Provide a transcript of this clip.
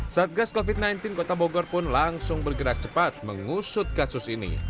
satgas covid sembilan belas kota bogor pun langsung bergerak cepat mengusut kasus ini